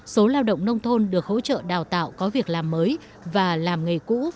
số lao động nông thôn được hỗ trợ đào tạo có việc làm mới và làm nghề cũ